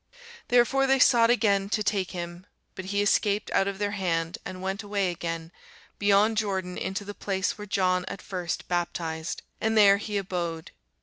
Therefore they sought again to take him: but he escaped out of their hand, and went away again beyond Jordan into the place where John at first baptized; and there he abode.